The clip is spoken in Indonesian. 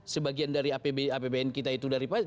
sebagian dari apbn kita itu dari